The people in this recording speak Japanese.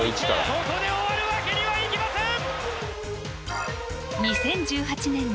ここで終わるわけにはいきません！